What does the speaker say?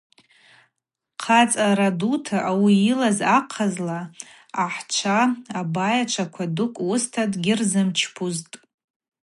Хъацӏара дута ауи йылаз ахъазла ахӏчва, абайачва дукӏ уыста дгьрымчпузтӏ.